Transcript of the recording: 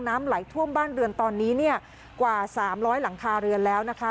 น้ำไหลท่วมบ้านเรือนตอนนี้เนี่ยกว่าสามร้อยหลังคาเรือนแล้วนะคะ